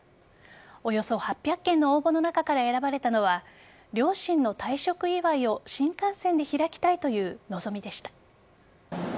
およそ８００件の応募の中から選ばれたのは両親の退職祝いを新幹線で開きたいという望みでした。